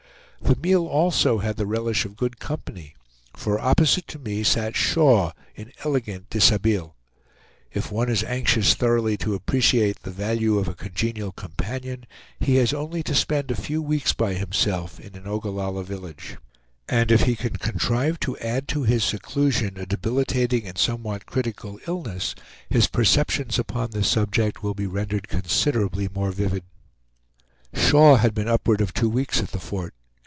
The meal also had the relish of good company, for opposite to me sat Shaw in elegant dishabille. If one is anxious thoroughly to appreciate the value of a congenial companion, he has only to spend a few weeks by himself in an Ogallalla village. And if he can contrive to add to his seclusion a debilitating and somewhat critical illness, his perceptions upon this subject will be rendered considerably more vivid. Shaw had been upward of two weeks at the Fort.